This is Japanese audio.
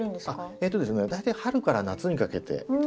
えとですね大体春から夏にかけて。